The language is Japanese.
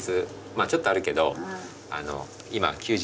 まあちょっとあるけど。